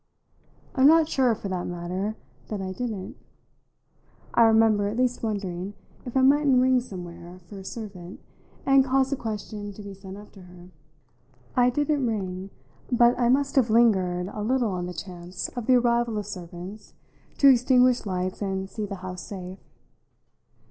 I am not sure, for that matter, that I didn't. I remember at least wondering if I mightn't ring somewhere for a servant and cause a question to be sent up to her. I didn't ring, but I must have lingered a little on the chance of the arrival of servants to extinguish lights and see the house safe.